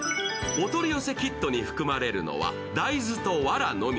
お取り寄せキットに含まれるのは大豆とわらのみ。